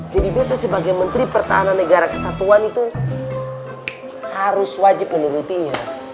jadi beta sebagai menteri pertahanan negara kesatuan itu harus wajib menurutinya